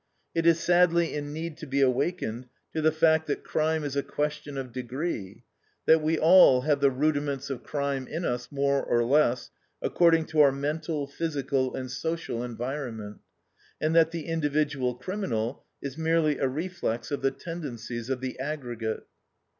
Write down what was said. It is sadly in need to be awakened to the fact that crime is a question of degree, that we all have the rudiments of crime in us, more or less, according to our mental, physical, and social environment; and that the individual criminal is merely a reflex of the tendencies of the aggregate.